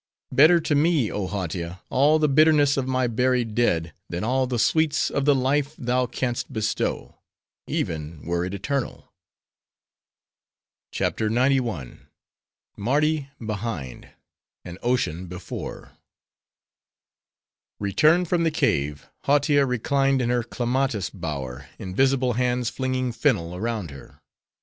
"Better to me, oh Hautia! all the bitterness of my buried dead, than all the sweets of the life thou canst bestow; even, were it eternal." CHAPTER XCI. Mardi Behind: An Ocean Before Returned from the cave, Hautia reclined in her clematis bower, invisible hands flinging fennel around her.